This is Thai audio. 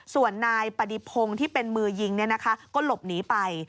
ส่วนนายประดิภงที่เป็นมือยิงเนี่ยนะคะก็หลบหนีไป